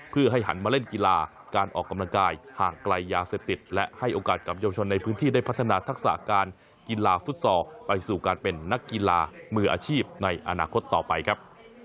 เพื่อให้หันมาเล่นกีฬาการออกกำลังกายห่างไกลยาเสพติดและให้โอกาสกับเยาวชนในพื้นที่ได้พัฒนาทักษะการกีฬาฟุตซอลไปสู่การเป็นนักกีฬามืออาชีพในอนาคตต่อไปครับ